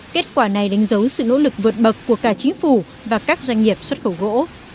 kết quả này đánh dấu sự nỗ lực vượt bậc của cả chính phủ và các doanh nghiệp xuất khẩu gỗ